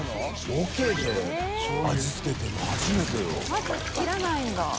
まず切らないんだ。